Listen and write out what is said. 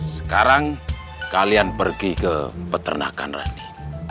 sekarang kalian pergi ke peternakan rani